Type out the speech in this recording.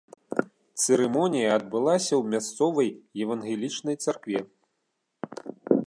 Цырымонія адбылася ў мясцовай евангелічнай царкве.